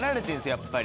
やっぱり。